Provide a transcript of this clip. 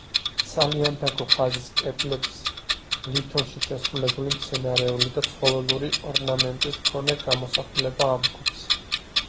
სალიანდაგო ხაზის კედლებს ლითონში შესრულებული მცენარეული და ცხოველური ორნამენტის მქონე გამოსახულება ამკობს.